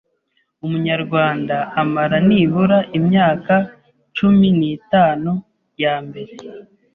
Umunyarwanda amara nibura imyaka cumi n’itanu ya mbere